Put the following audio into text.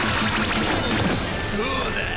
どうだ？